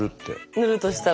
塗るとしたら。